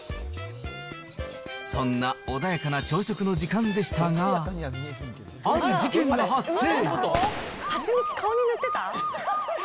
そんな穏やかな朝食の時間でしたが、ある事件が発生。